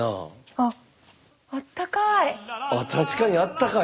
あったかいあったかい。